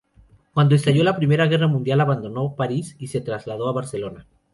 Cuando estalló la Primera Guerra Mundial abandonó París y se trasladó a Barcelona.